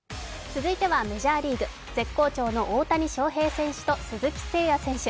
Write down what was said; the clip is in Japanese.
続いてはメジャーリーグ、絶好調の大谷翔平選手と鈴木誠也選手。